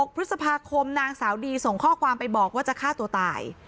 ๖พฤษภาคมนางสาวดีส่งข้อความไปบอกว่าจะฆ่าตัวตาย